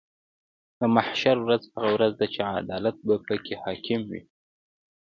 د محشر ورځ هغه ورځ ده چې عدالت به پکې حاکم وي .